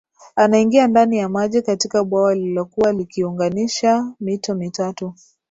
anaingia ndani ya maji katika bwawa lililokuwa likiunganisha mito mitatu